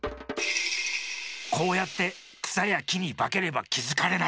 こうやってくさやきにばければきづかれない。